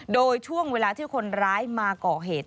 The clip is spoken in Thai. โดยช่วงเวลาที่คนร้ายมาก่อเหตุ